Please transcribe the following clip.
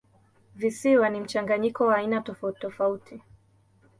Visiwa ni mchanganyiko wa aina tofautitofauti.